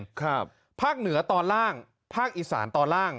ภาคเหนือตอนล่างภาคอีสานตอนล่าง